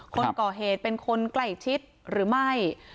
คนก่อเหตุเป็นคนใกล้ชิดหรือไม่